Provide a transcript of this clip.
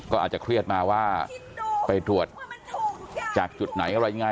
ก็อาจจะเครียดมาว่าไปตรวจจากจุดไหนอะไรยังไง